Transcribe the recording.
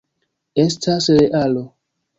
Estas realo.